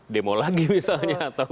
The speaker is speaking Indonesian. demo lagi misalnya atau